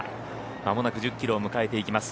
間もなく１０キロを迎えていきます。